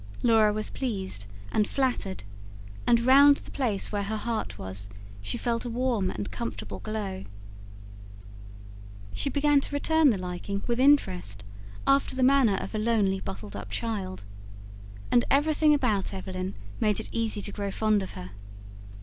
Laura was pleased, and flattered, and round the place where her heart was, she felt a warm and comfortable glow. She began to return the liking, with interest, after the manner of a lonely, bottled up child. And everything about Evelyn made it easy to grow fond of her.